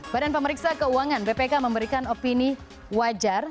badan pemeriksa keuangan bpk memberikan opini wajar